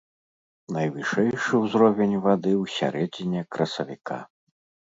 Найвышэйшы ўзровень вады ў сярэдзіне красавіка.